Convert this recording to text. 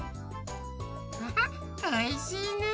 ハハッおいしいねえ！